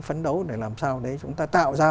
phấn đấu để làm sao đấy chúng ta tạo ra